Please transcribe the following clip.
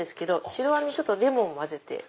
白あんにレモンを混ぜて。